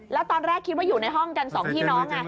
แล้วตอนแรกคิดว่าอยู่ในห้องกันสองพี่น้องไง